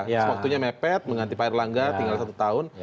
waktunya mepet mengganti payar langga tinggal satu tahun